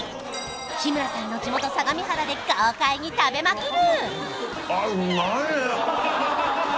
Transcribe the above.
日村さんの地元相模原で豪快に食べまくる！